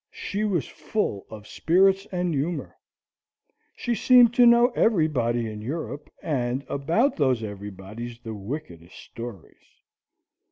She was full of spirits and humour. She seemed to know everybody in Europe, and about those everybodies the wickedest stories.